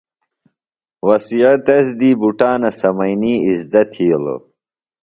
وسیعہ تس دی بُٹانہ سمئینی اِزدہ تھیلوۡ۔